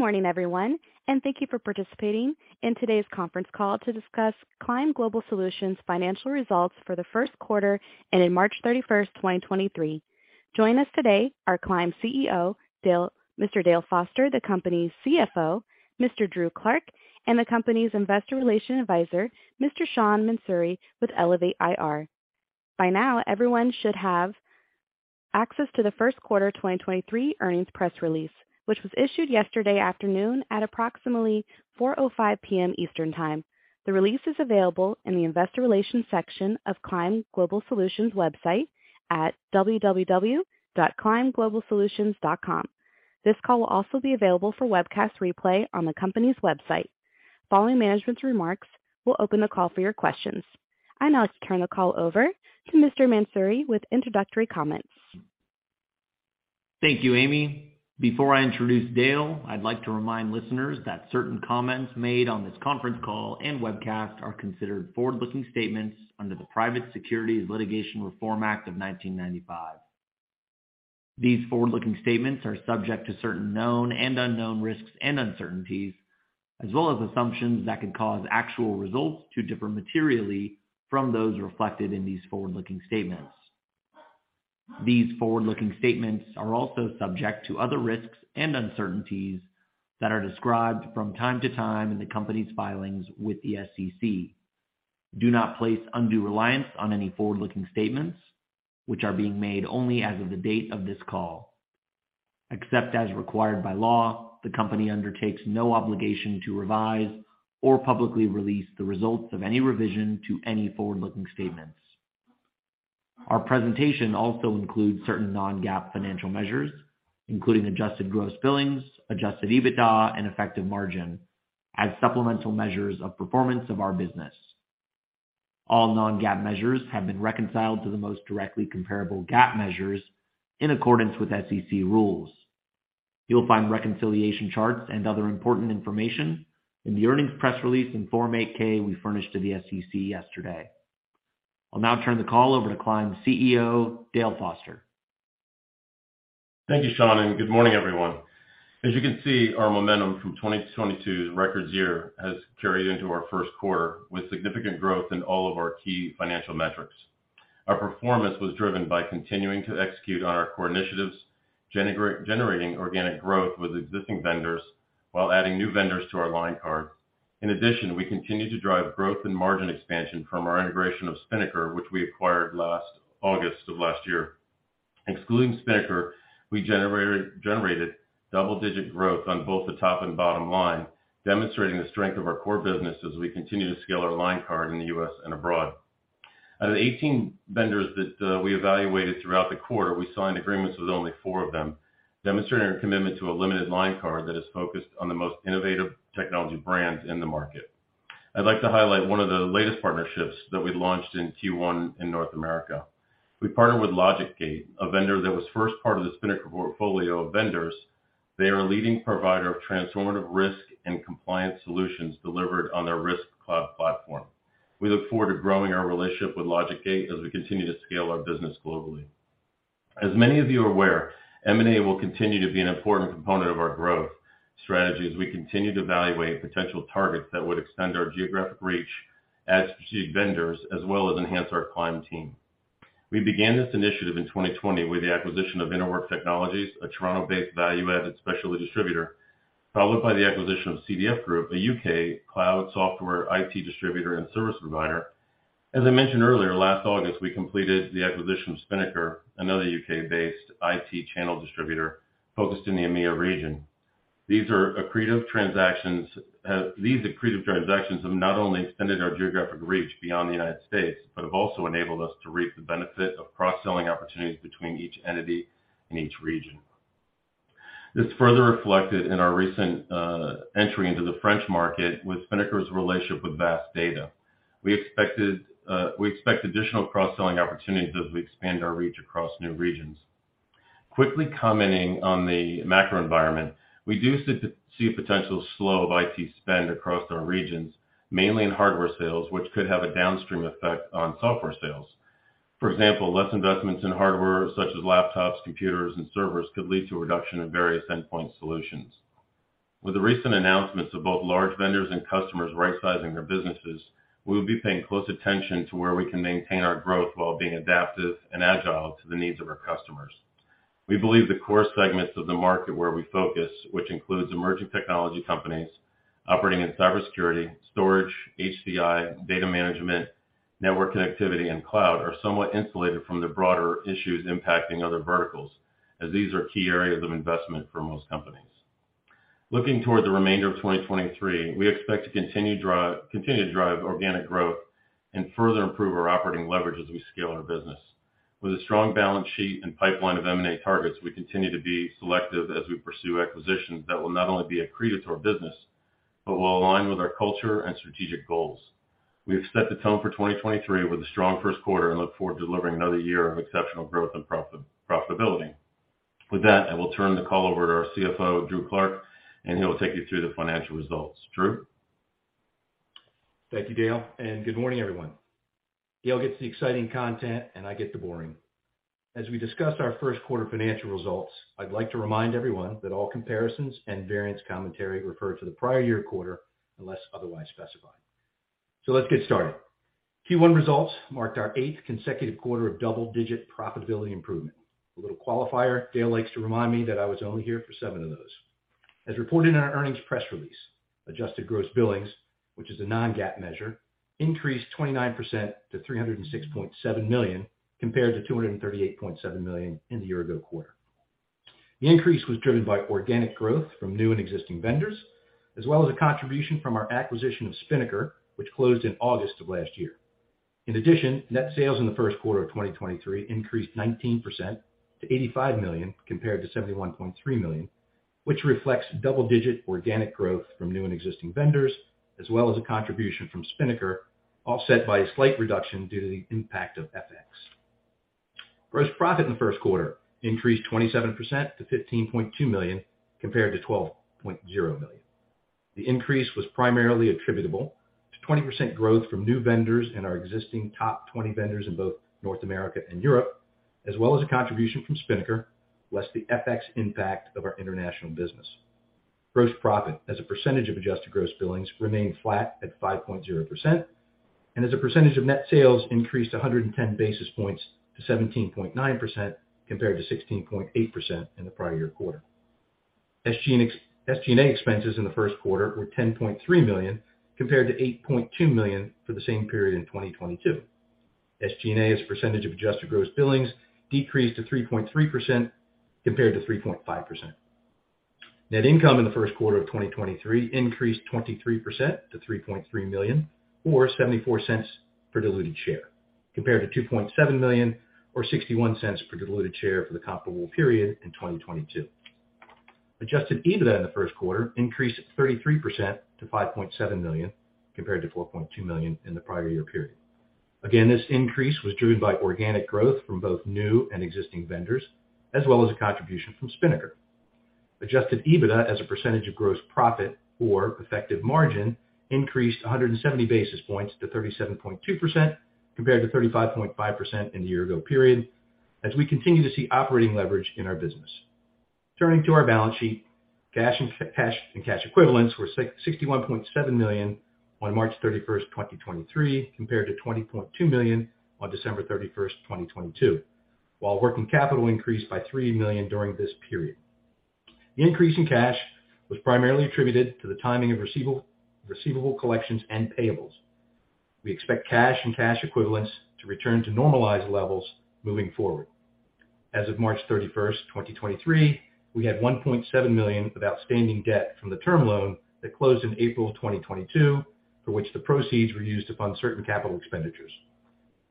Good morning, everyone, and thank you for participating in today's conference call to discuss Climb Global Solutions financial results for the first quarter and in March 31st, 2023. Joining us today are Climb CEO Mr. Dale Foster, the company's CFO, Mr. Drew Clark and the company's Investor Relations Advisor, Mr. Sean Mansouri with Elevate IR. By now, everyone should have access to the first quarter 2023 earnings press release, which was issued yesterday afternoon at approximately 4:05 P.M. Eastern Time. The release is available in the investor relations section of Climb Global Solutions website at www.climbglobalsolutions.com. This call will also be available for webcast replay on the company's website. Following management's remarks, we'll open the call for your questions. I'll now turn the call over to Mr. Mansouri with introductory comments. Thank you, Amy. Before I introduce Dale, I'd like to remind listeners that certain comments made on this conference call and webcast are considered forward-looking statements under the Private Securities Litigation Reform Act of 1995. These forward-looking statements are subject to certain known and unknown risks and uncertainties, as well as assumptions that could cause actual results to differ materially from those reflected in these forward-looking statements. These forward-looking statements are also subject to other risks and uncertainties that are described from time to time in the company's filings with the SEC. Do not place undue reliance on any forward-looking statements, which are being made only as of the date of this call. Except as required by law, the company undertakes no obligation to revise or publicly release the results of any revision to any forward-looking statements. Our presentation also includes certain non-GAAP financial measures, including adjusted gross billings, adjusted EBITDA, and effective margin as supplemental measures of performance of our business. All non-GAAP measures have been reconciled to the most directly comparable GAAP measures in accordance with SEC rules. You'll find reconciliation charts and other important information in the earnings press release in Form 8-K we furnished to the SEC yesterday. I'll now turn the call over to Climb CEO, Dale Foster. Thank you Sean and Good morning, everyone. As you can see, our momentum from 2022's record year has carried into our first quarter with significant growth in all of our key financial metrics. Our performance was driven by continuing to execute on our core initiatives, generating organic growth with existing vendors while adding new vendors to our line card. In addition, we continue to drive growth and margin expansion from our integration of Spinnakar, which we acquired last August of last year. Excluding Spinnakar, we generated double-digit growth on both the top and bottom line, demonstrating the strength of our core business as we continue to scale our line card in the U.S. and abroad. Out of the 18 vendors that we evaluated throughout the quarter, we signed agreements with only four of them, demonstrating our commitment to a limited line card that is focused on the most innovative technology brands in the market. I'd like to highlight one of the latest partnerships that we launched in Q1 in North America. We partnered with LogicGate, a vendor that was first part of the Spinnakar portfolio of vendors. They are a leading provider of transformative risk and compliance solutions delivered on their Risk Cloud platform. We look forward to growing our relationship with LogicGate as we continue to scale our business globally. As many of you are aware M&A will continue to be an important component of our growth strategy as we continue to evaluate potential targets that would extend our geographic reach as strategic vendors, as well as enhance our Climb team. We began this initiative in 2020 with the acquisition of Interwork Technologies, a Toronto-based value-added specialty distributor followed by the acquisition of CDF Group, a UK cloud software IT distributor and service provider. As I mentioned earlier, last August, we completed the acquisition of Spinnakar, another UK-based IT channel distributor focused in the EMEA rregion. These accretive transactions have not only extended our geographic reach beyond the United States but have also enabled us to reap the benefit of cross-selling opportunities between each entity in each region. This is further reflected in our recent entry into the French market with Spinnakar's relationship with VAST Data. We expect additional cross-selling opportunities as we expand our reach across new regions. Quickly commenting on the macro environment, we do see a potential slow of IT spend across our regions, mainly in hardware sales, which could have a downstream effect on software sales. For example, less investments in hardware such as laptops, computers, and servers could lead to a reduction in various endpoint solutions. With the recent announcements of both large vendors and customers rightsizing their businesses, we will be paying close attention to where we can maintain our growth while being adaptive and agile to the needs of our customers. We believe the core segments of the market where we focus, which includes emerging technology companies operating in cybersecurity, storage, HCI, data management, network connectivity and cloud, are somewhat insulated from the broader issues impacting other verticals, as these are key areas of investment for most companies. Looking toward the remainder of 2023, we expect to continue to drive organic growth and further improve our operating leverage as we scale our business. With a strong balance sheet and pipeline of M&A targets, we continue to be selective as we pursue acquisitions that will not only be accretive to our business, but will align with our culture and strategic goals. We have set the tone for 2023 with a strong first quarter and look forward to delivering another year of exceptional growth and profitability. With that I will turn the call over to our CFO Drew Clark, and he will take you through the financial results. Drew? Thank you Dale, and good morning, everyone. Dale gets the exciting content, and I get the boring. As we discuss our first quarter financial results, I'd like to remind everyone that all comparisons and variance commentary refer to the prior year quarter unless otherwise specified. Let's get started. Q1 results marked our eighth consecutive quarter of double-digit profitability improvement. A little qualifier, Dale likes to remind me that I was only here for seven of those. As reported in our earnings press release, adjusted gross billings, which is a non-GAAP measure, increased 29% to $306.7 million, compared to $238.7 million in the year-ago quarter. The increase was driven by organic growth from new and existing vendors, as well as a contribution from our acquisition of Spinnakar which closed in August of last year. In addition, net sales in the first quarter of 2023 increased 19% to $85 million, compared to $71.3 million, which reflects double-digit organic growth from new and existing vendors, as well as a contribution from Spinnaker, offset by a slight reduction due to the impact of FX. Gross profit in the first quarter increased 27% to $15.2 million, compared to $12.0 million. The increase was primarily attributable to 20% growth from new vendors and our existing top 20 vendors in both North America and Europe, as well as a contribution from Spinnaker, less the FX impact of our international business. Gross profit as a percentage of adjusted gross billings remained flat at 5.0%, and as a percentage of net sales increased 110 basis points to 17.9%, compared to 16.8% in the prior year quarter. SG&A expenses in the first quarter were $10.3 million, compared to $8.2 million for the same period in 2022. SG&A as a percentage of adjusted gross billings decreased to 3.3%, compared to 3.5%. Net income in the first quarter of 2023 increased 23% to $3.3 million or $0.74 per diluted share, compared to $2.7 million or $0.61 per diluted share for the comparable period in 2022. Adjusted EBITDA in the first quarter increased 33% to $5.7 million, compared to $4.2 million in the prior year period. This increase was driven by organic growth from both new and existing vendors, as well as a contribution from Spinnaker. Adjusted EBITDA as a percentage of gross profit or effective margin increased 170 basis points to 37.2%, compared to 35.5% in the year ago period as we continue to see operating leverage in our business. Turning to our balance sheet, cash and cash equivalents were $61.7 million on March 31, 2023, compared to $20.2 million on December 31, 2022, while working capital increased by $3 million during this period. The increase in cash was primarily attributed to the timing of receivable collections and payables. We expect cash and cash equivalents to return to normalized levels moving forward. As of March 31st, 2023, we had $1.7 million of outstanding debt from the term loan that closed in April of 2022, for which the proceeds were used to fund certain capital expenditures.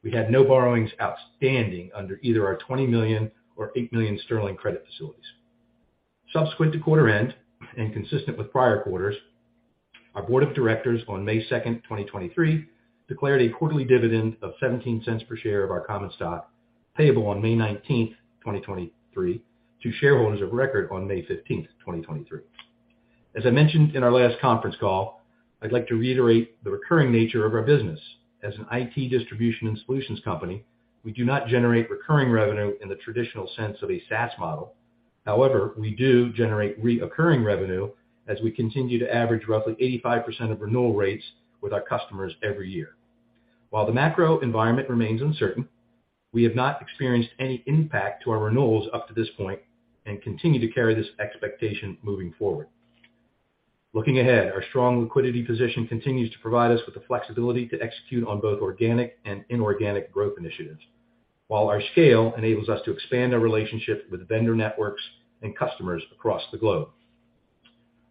We had no borrowings outstanding under either our 20 million or 8 million sterling credit facilities. Subsequent to quarter end and consistent with prior quarters, our board of directors on May 2nd, 2023, declared a quarterly dividend of $0.17 per share of our common stock payable on May 19th, 2023, to shareholders of record on May 15th, 2023. As I mentioned in our last conference call, I'd like to reiterate the recurring nature of our business. As an IT distribution and solutions company, we do not generate recurring revenue in the traditional sense of a SaaS model. However we do generate recurring revenue as we continue to average roughly 85% of renewal rates with our customers every year. While the macro environment remains uncertain, we have not experienced any impact to our renewals up to this point and continue to carry this expectation moving forward. Looking ahead, our strong liquidity position continues to provide us with the flexibility to execute on both organic and inorganic growth initiatives while our scale enables us to expand our relationships with vendor networks and customers across the globe.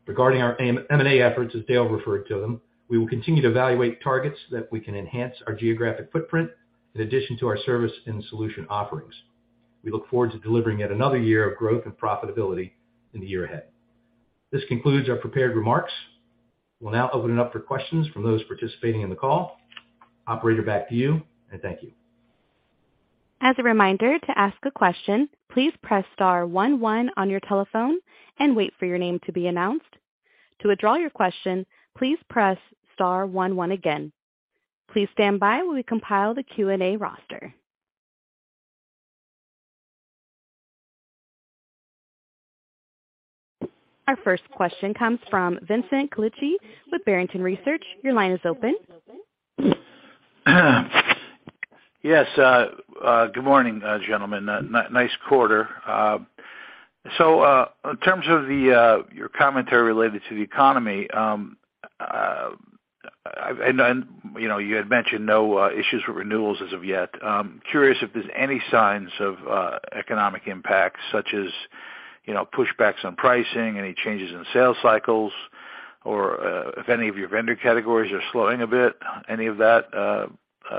Regarding our M&A efforts, as Dale referred to them, we will continue to evaluate targets that we can enhance our geographic footprint in addition to our service and solution offerings. We look forward to delivering yet another year of growth and profitability in the year ahead. This concludes our prepared remarks. We'll now open it up for questions from those participating in the call. Operator, back to you and thank you. As a reminder, to ask a question, please press star one one on your telephone and wait for your name to be announced. To withdraw your question, please press star one one again. Please stand by while we compile the Q&A roster. Our first question comes from Vincent Colicchio with Barrington Research. Your line is open. Yes. Good morning gentlemen. Nice quarter. In terms of the, your commentary related to the economy, you know, you had mentioned no issues with renewals as of yet. Curious if there's any signs of economic impact such as, you know, pushbacks on pricing, any changes in sales cycles or if any of your vendor categories are slowing a bit, any of that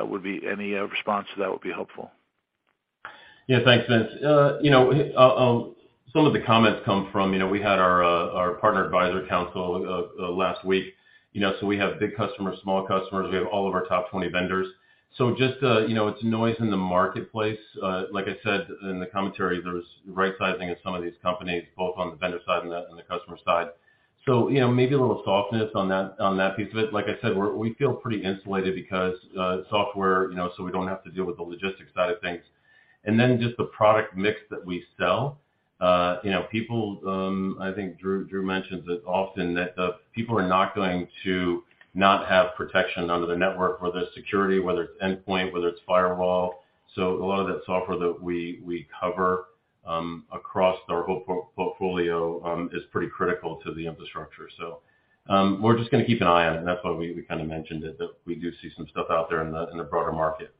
would be any response to that would be helpful? Yeah. Thanks, Vince. You know, some of the comments come from, you know, we had our Partner Advisory Council last week, you know. We have big customers, small customers, we have all of our top 20 vendors. Just, you know, it's noise in the marketplace. Like I said in the commentary, there's rightsizing in some of these companies, both on the vendor side and the customer side. You know, maybe a little softness on that, on that piece of it. Like I said, we feel pretty insulated because software, you know, so we don't have to deal with the logistics side of things. Just the product mix that we sell, you know, people, I think Drew mentions it often that people are not going to not have protection under the network or the security, whether it's endpoint, whether it's firewall. A lot of that software that we cover across our whole portfolio is pretty critical to the infrastructure. We're just gonna keep an eye on it and that's why we kinda mentioned it, that we do see some stuff out there in the broader market.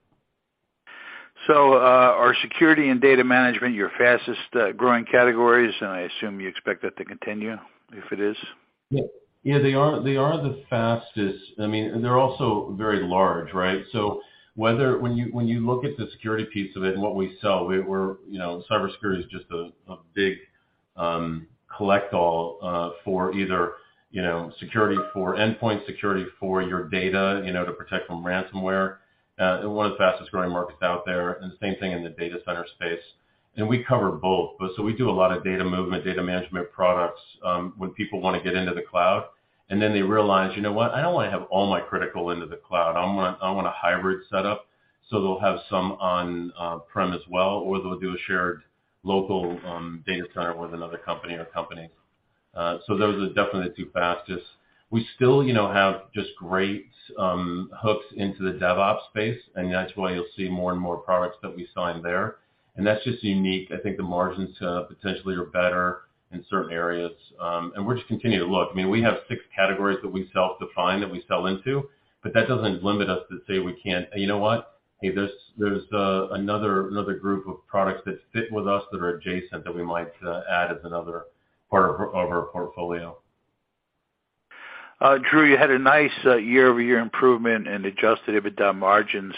Are security and data management your fastest, growing categories? I assume you expect that to continue if it is. Yeah. They are the fastest. I mean they're also very large, right? When you look at the security piece of it and what we sell, we're, you know, cybersecurity is just a big collect all for either, you know, security for endpoint, security for your data, you know, to protect from ransomware, and one of the fastest-growing markets out there, and the same thing in the data center space. We cover both. We do a lot of data movement, data management products when people wanna get into the cloud, and then they realize, you know what? I don't wanna have all my critical into the cloud. I want a hybrid setup, so they'll have some on prem as well, or they'll do a shared local data center with another company or companies. So those are definitely the two fastest. We still, you know, have just great hooks into the DevOps space, and that's why you'll see more and more products that we sign there, and that's just unique. I think the margins potentially are better in certain areas. And we'll just continue to look. I mean, we have six categories that we self-define, that we sell into. That doesn't limit us to say we can't... You know what? Hey, there's another group of products that fit with us that are adjacent that we might add as another part of our portfolio. Drew, you had a nice year-over-year improvement in adjusted EBITDA margins.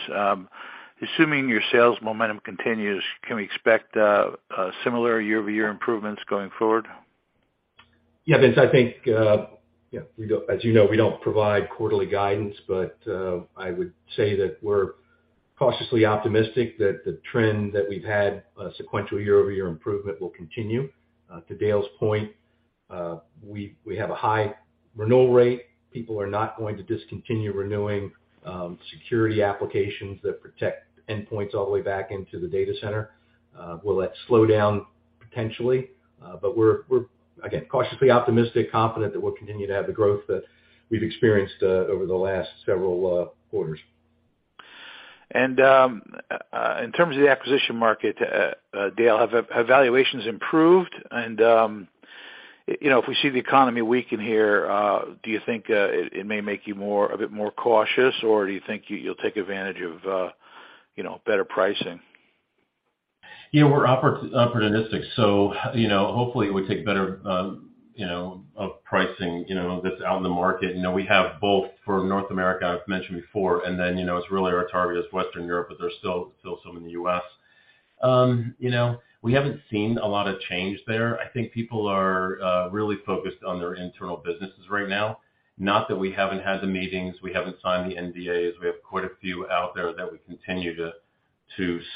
Assuming your sales momentum continues, can we expect similar year-over-year improvements going forward? Vince, we don't - as you know, we don't provide quarterly guidance, but I would say that we're cautiously optimistic that the trend that we've had, sequential year-over-year improvement will continue. To Dale's point, we have a high renewal rate. People are not going to discontinue renewing, security applications that protect endpoints all the way back into the data center. Will that slow down? Potentially. We're again, cautiously optimistic, confident that we'll continue to have the growth that we've experienced, over the last several quarters. In terms of the acquisition market, Dale, have valuations improved? You know, if we see the economy weaken here, do you think it may make you a bit more cautious, or do you think you'll take advantage of, you know, better pricing? You know, we're opportunistic, so, you know, hopefully we take better, you know, pricing, you know, that's out in the market. You know, we have both for North America, I've mentioned before, and then, you know, it's really our target is Western Europe, but there's still some in the U.S. You know, we haven't seen a lot of change there. I think people are really focused on their internal businesses right now. Not that we haven't had the meetings, we haven't signed the NDAs. We have quite a few out there that we continue to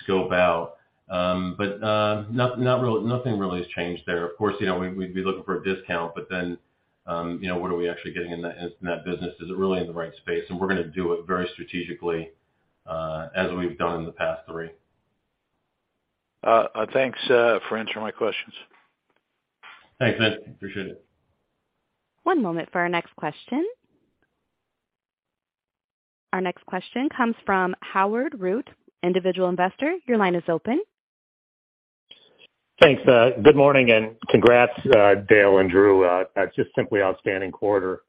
scope out. Nothing really has changed there. Of course, you know, we'd be looking for a discount. You know, what are we actually getting in that, in that business? Is it really in the right space? We're gonna do it very strategically as we've done in the past three. Thanks for answering my questions. Thanks Vince. Appreciate it. One moment for our next question. Our next question comes from Howard Root, Individual Investor. Your line is open. Thanks. Good morning, congrats, Dale and Drew. That's just simply outstanding quarter,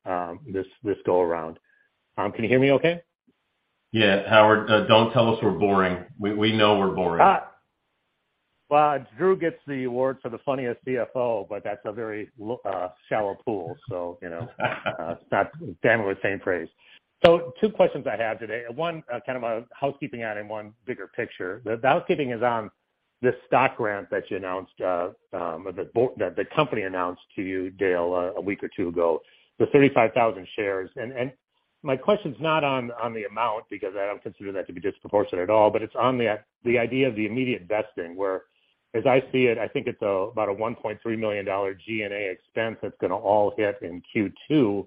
this go around. Can you hear me okay? Yeah. Howard, don't tell us we're boring. We know we're boring. Well, Drew gets the award for the funniest CFO, but that's a very shallow pool. You know, it's not damning with same praise. Two questions I have today. One, kind of a housekeeping item, one bigger picture. The housekeeping is on the stock grant that you announced, or that the company announced to you, Dale, a week or two ago, the 35,000 shares. My question is not on the amount because I don't consider that to be disproportionate at all, but it's on the idea of the immediate vesting, where as I see it, I think it's about a $1.3 million SG&A expense that's gonna all hit in Q2.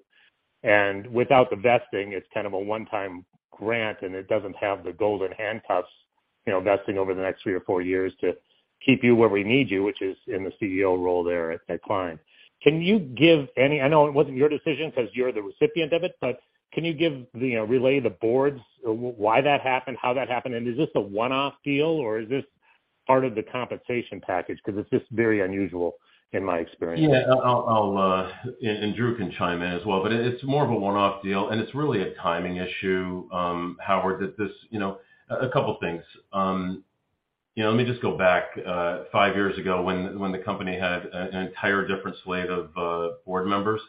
Without the vesting, it's kind of a one-time grant. It doesn't have the golden handcuffs, you know, vesting over the next three or four years to keep you where we need you, which is in the CEO role there at Climb. Can you give - I know it wasn't your decision 'cause you're the recipient of it, but can you give, you know, relay the board's why that happened, how that happened, and is this a one-off deal, or is this part of the compensation package? It's just very unusual in my experience. Yeah. I'll - and Drew can chime in as well. It's more of a one-off deal, and it's really a timing issue, Howard, that this, you know, a couple things. You know, let me just go back, five years ago when the company had an entire different slate of board members.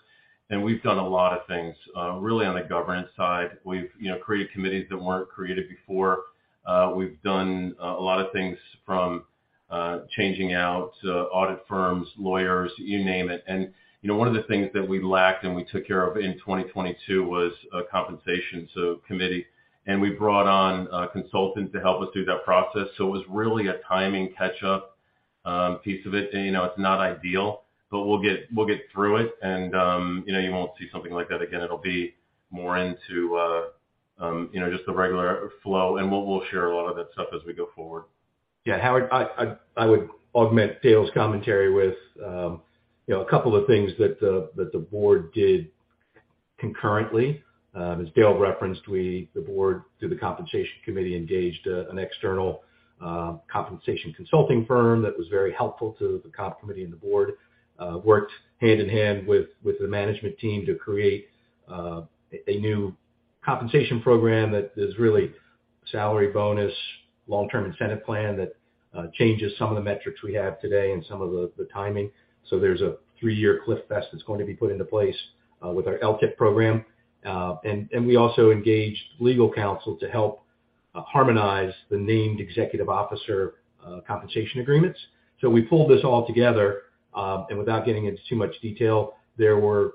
We've done a lot of things really on the governance side. We've, you know, created committees that weren't created before. We've done a lot of things from changing out audit firms, lawyers, you name it. You know, one of the things that we lacked and we took care of in 2022 was a compensation committee. We brought on a consultant to help us through that process. It was really a timing catch-up, piece of it, and, you know, it's not ideal, but we'll get through it. You know, you won't see something like that again. It'll be more into, you know, just the regular flow, and we'll share a lot of that stuff as we go forward. Howard, I would augment Dale's commentary with, you know, a couple of things that the board did concurrently. As Dale referenced, we, the board, through the compensation committee, engaged an external compensation consulting firm that was very helpful to the comp committee and the board. Worked hand-in-hand with the management team to create a new compensation program that is really salary bonus, long-term incentive plan that changes some of the metrics we have today and some of the timing. There's a three-year cliff vest that's going to be put into place with our LTIP program. We also engaged legal counsel to help harmonize the named executive officer compensation agreements. We pulled this all together and without getting into too much detail, there were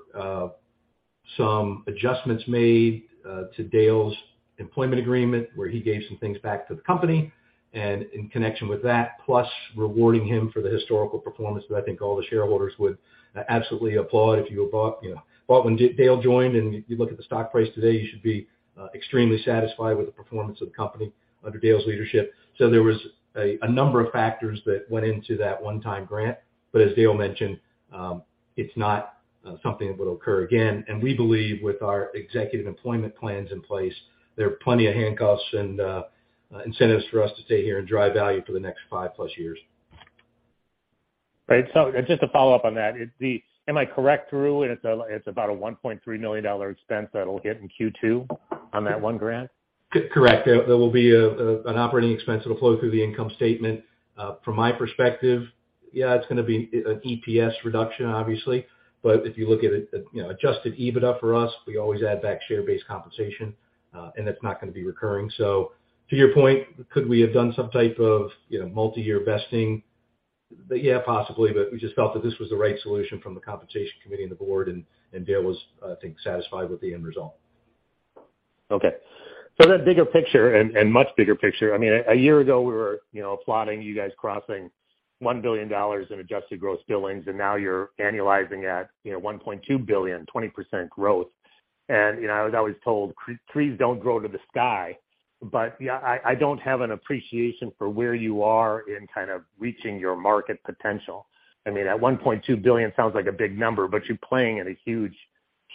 some adjustments made to Dale's employment agreement, where he gave some things back to the company. In connection with that, plus rewarding him for the historical performance that I think all the shareholders would absolutely applaud if you had bought, you know, bought when Dale joined and you look at the stock price today, you should be extremely satisfied with the performance of the company under Dale's leadership. There was a number of factors that went into that one-time grant, but as Dale mentioned, it's not something that would occur again. We believe with our executive employment plans in place, there are plenty of handcuffs and incentives for us to stay here and drive value for the next 5-plus years. Right. Just to follow up on that. Am I correct, Drew, and it's about a $1.3 million expense that'll hit in Q2 on that one grant? Correct. There will be an operating expense that'll flow through the income statement. From my perspective, yeah, it's gonna be an EPS reduction, obviously. If you look at it, you know, adjusted EBITDA for us, we always add back share-based compensation, and that's not gonna be recurring. To your point, could we have done some type of, you know, multi-year vesting? Yeah possibly, but we just felt that this was the right solution from the compensation committee and the board, and Dale was, I think, satisfied with the end result. Okay. The bigger picture and much bigger picture, I mean a year ago, we were, you know, applauding you guys crossing $1 billion in adjusted gross billings, and now you're annualizing at, you know, $1.2 billion, 20% growth. You know, as I was told, trees don't grow to the sky. Yeah, I don't have an appreciation for where you are in kind of reaching your market potential. I mean, at $1.2 billion sounds like a big number, but you're playing in a huge,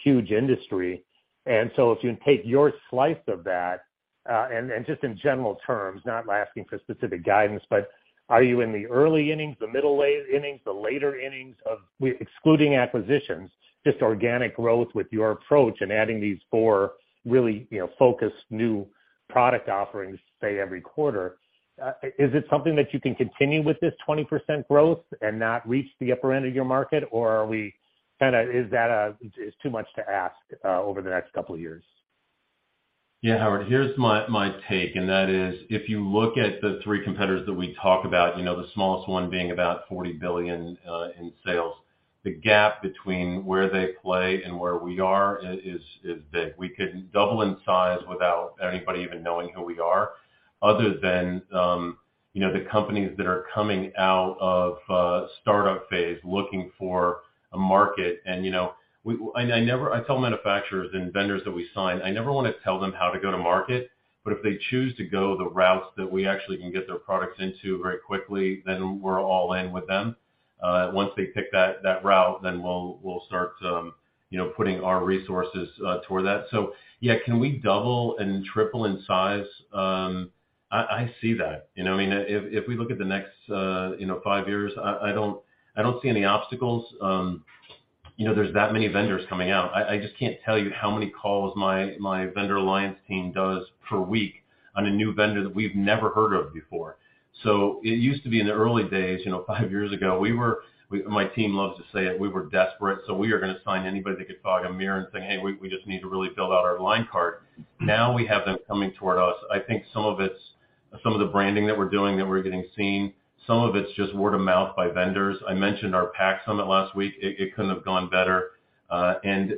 huge industry. If you take your slice of that and just in general terms, not asking for specific guidance, but are you in the early innings, the middle innings, the later innings excluding acquisitions, just organic growth with your approach and adding these four really, you know, focused new product offerings, say, every quarter, is it something that you can continue with this 20% growth and not reach the upper end of your market? Or Is that is too much to ask over the next couple of years? Yeah Howard, here's my take, and that is if you look at the three competitors that we talk about, you know, the smallest one being about $40 billion in sales, the gap between where they play and where we are is big. We could double in size without anybody even knowing who we are other than, you know, the companies that are coming out of startup phase looking for a market. You know, I never tell manufacturers and vendors that we sign, I never wanna tell them how to go to market, but if they choose to go the routes that we actually can get their products into very quickly, then we're all in with them. Once they pick that route, then we'll start, you know, putting our resources toward that. Yeah, can we double and triple in size? I see that. You know what I mean? If - if we look at the next, you know, five years, I don't see any obstacles. You know, there's that many vendors coming out. I just can't tell you how many calls my vendor alliance team does per week on a new vendor that we've never heard of before. It used to be in the early days, you know, 5 years ago, My team loves to say it, we were desperate, so we were gonna sign anybody that could talk in the mirror and say, "Hey, we just need to really build out our line card." Now we have them coming toward us. I think some of it's some of the branding that we're doing that we're getting seen. Some of it's just word of mouth by vendors. I mentioned our PAX summit last week. It couldn't have gone better.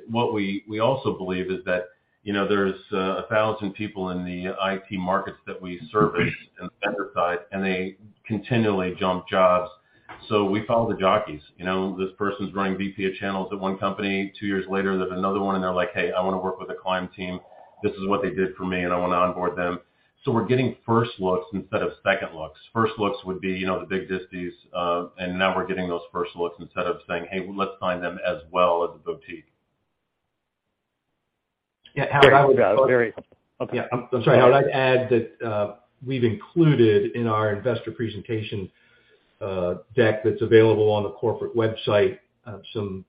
What we also believe is that, you know, there's 1,000 people in the IT markets that we service in the vendor side, and they continually jump jobs. We follow the jockeys. You know, this person's running VP of channels at one company, 2 years later, there's another one and they're like, "Hey, I wanna work with the Climb team. This is what they did for me and I wanna onboard them." We're getting first looks instead of second looks. First looks would be, you know, the big disties, and now we're getting those first looks instead of saying, "Hey, let's find them as well as a boutique. Yeah. I'm sorry, Howard. I'd add that we've included in our investor presentation deck that's available on the corporate website, some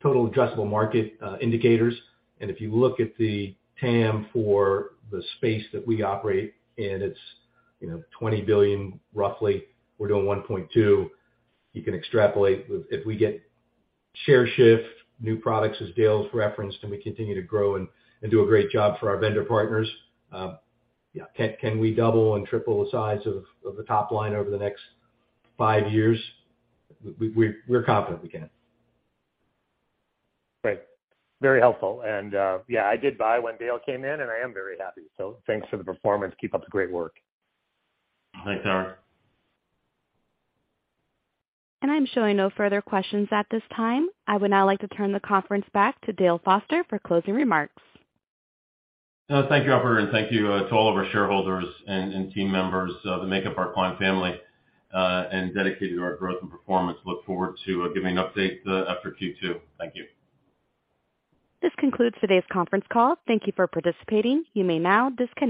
total addressable market indicators. If you look at the TAM for the space that we operate in, it's, you know, $20 billion roughly. We're doing $1.2 billion. You can extrapolate with if we get share shift, new products, as Dale's referenced, and we continue to grow and do a great job for our vendor partners, yeah, can we double and triple the size of the top line over the next five years? We're confident we can. Great. Very helpful. Yeah, I did buy when Dale came in and I am very happy. Thanks for the performance. Keep up the great work. Thanks, Howard. I'm showing no further questions at this time. I would now like to turn the conference back to Dale Foster for closing remarks. Thank you operator, and thank you to all of our shareholders and team members that make up our Climb family and dedicated to our growth and performance. Look forward to giving an update after Q2. Thank you. This concludes today's conference call. Thank you for participating. You may now disconnect.